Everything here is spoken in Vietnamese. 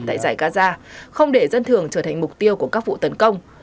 tại giải gaza không để dân thường trở thành mục tiêu của các vụ tấn công